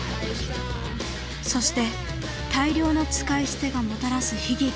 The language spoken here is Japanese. そして大量の使い捨てがもたらす悲劇。